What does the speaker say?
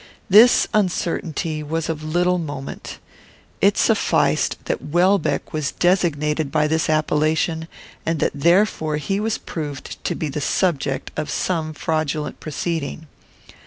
This uncertainty was of little moment. It sufficed that Welbeck was designated by this appellation, and that therefore he was proved to be the subject of some fraudulent proceeding.